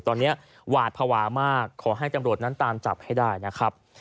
ตอนนี้หวาดภาวะมากขอให้ตำรวจนั้นตามจับให้ได้นะครับ